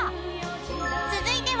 ［続いては］